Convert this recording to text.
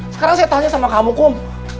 sekarang saya tanya sama kamu kum